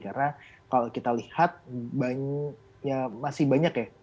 karena kalau kita lihat masih banyak ya